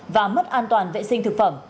và mất an toàn vệ sinh thực phẩm